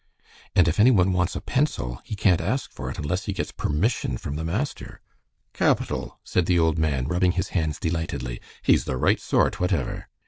"And if any one wants a pencil he can't ask for it unless he gets permission from the master." "Capital!" said the old man, rubbing his hands delightedly. "He's the right sort, whatever."